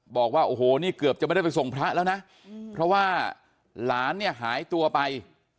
บอกว่าโอ้โหนี่เกือบจะไม่ได้ไปส่งพระแล้วนะเพราะว่าหลานเนี่ยหายตัวไป